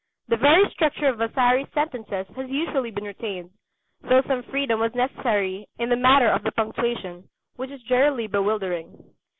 The very structure of Vasari's sentences has usually been retained, though some freedom was necessary in the matter of the punctuation, which is generally bewildering.